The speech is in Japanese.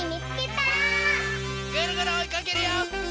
ぐるぐるおいかけるよ！